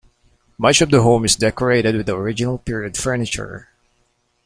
Much of the home is decorated with original period furniture.